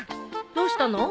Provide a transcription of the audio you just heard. どうしたの？